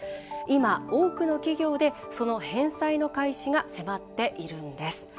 今、多くの企業で、その返済の開始が迫っているんです。